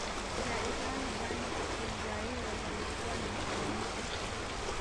ya Iran Bani Israaiyl walikuwa ni mchanganyiko